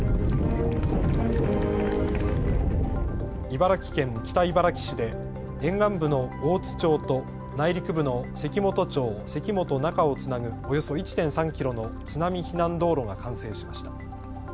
茨城県北茨城市で沿岸部の大津町と内陸部の関本町関本中をつなぐおよそ１．３キロの津波避難道路が完成しました。